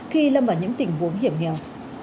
khi lâm vào những tình huống hiểm nghèo